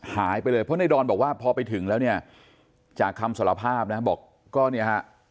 หายไปเลยเพราะในดอนบอกว่าพอไปถึงแล้วเนี่ยจากคำสารภาพนะบอกก็เนี่ยฮะ